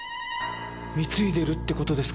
貢いでるって事ですか？